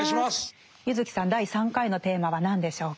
柚木さん第３回のテーマは何でしょうか。